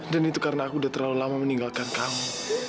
dan itu karena aku udah terlalu lama meninggalkan kamu